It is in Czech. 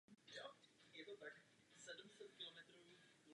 Kapli spravuje "Regionální knihovna Teplice" a pořádá v ní výstavy a koncerty.